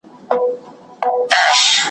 پل مي سم دی را اخیستی نښانه هغسي نه ده `